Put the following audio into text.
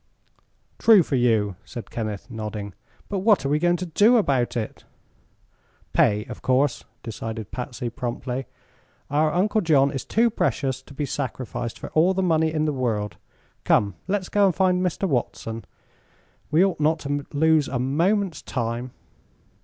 "True for you," said Kenneth, nodding. "But what are we going to do about it?" "Pay, of course," decided Patsy, promptly. "Our Uncle John is too precious to be sacrificed for all the money in the world. Come; let's go and find Mr. Watson. We ought not to lose a moment's time."